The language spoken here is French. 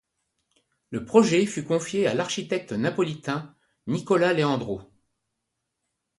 Le projet fut confié à l'architecte napolitain Nicola Leandro.